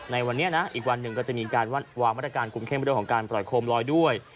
ในวันนี้นะอีกวันหนึ่งก็จะมีการวางมาตรการคุมเข้มเรื่องของการปล่อยโคมลอยด้วย